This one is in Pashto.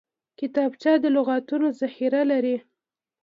کتابچه د لغتونو ذخیره لري